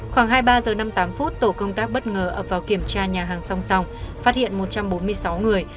khoảng hai mươi ba h năm mươi tám tổ công tác bất ngờ ập vào kiểm tra nhà hàng song song phát hiện một trăm bốn mươi sáu người